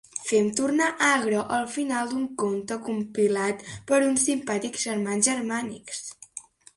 Fem tornar agre el final d'un conte compilat per uns simpàtics germans germànics.